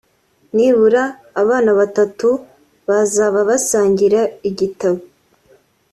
nibura abana batatu bazaba basangira igitabo